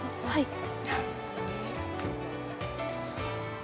はい。